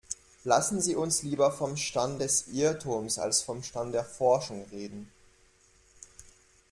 Lassen Sie uns lieber vom Stand des Irrtums als vom Stand der Forschung reden.